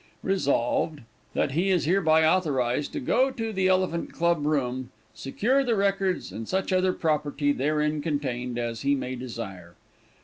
Resolved, That he is hereby authorized to go to the Elephant Club room, secure the records and such other property therein contained, as he may desire.